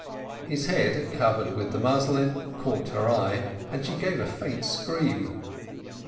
His head covered with the muslin caught her eye, and she gave a faint scream.